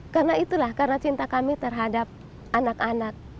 karena itulah karena cinta kami terhadap anak anak